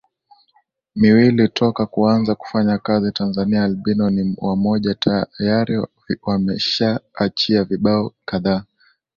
miwili toka kuanza kufanya kazi Tanzania albino ni wamoja tayari wameshaachia vibao kadhaa